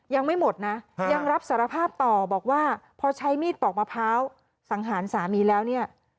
ยังไม่หมดนะยังรับสารภาพต่อบอกว่าพอใช้มีดปอกมะพร้าวสังหารสามีแล้วเนี่ย